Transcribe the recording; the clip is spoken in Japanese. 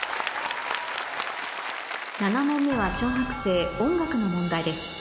７問目は小学生音楽の問題です